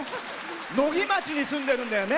野木町に住んでるんだよね。